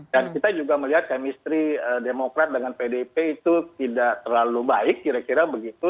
dan kita juga melihat kemistri demokrat dengan pdip itu tidak terlalu baik kira kira begitu